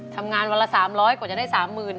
ทำงานวันละ๓๐๐กว่าจะได้๓หมื่น